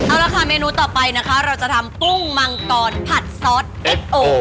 เอาละค่ะเมนูต่อไปนะคะเราจะทำกุ้งมังกรผัดซอสเอ็ดโอ